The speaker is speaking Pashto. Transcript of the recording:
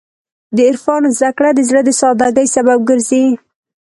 د عرفان زدهکړه د زړه د سادګۍ سبب ګرځي.